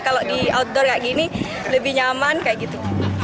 kalau di outdoor kayak gini lebih nyaman kayak gitu